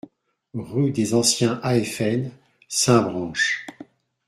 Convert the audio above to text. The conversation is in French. Rue des Anciens AFN, Saint-Branchs